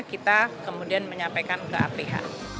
kita kemudian menyampaikan ke aph